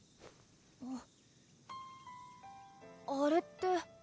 ああれって。